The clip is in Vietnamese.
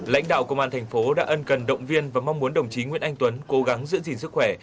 lãnh đạo công an thành phố đã ân cần động viên và mong muốn đồng chí nguyễn anh tuấn cố gắng giữ gìn sức khỏe